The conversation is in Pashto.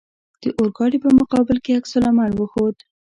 د اورګاډي په مقابل کې عکس العمل وښود.